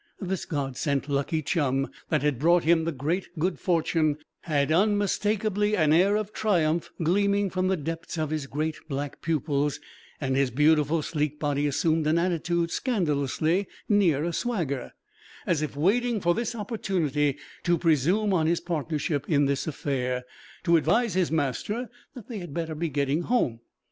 This God sent lucky chum, that had brought him the great good fortune, had unmistakably an air of triumph gleaming from the depths of his great black pupils, and his beautiful sleek body assumed an attitude scandalously near a swagger, as if waiting for this opportunity to presume on his partnership in this affair, to advise his master that they had better be getting home.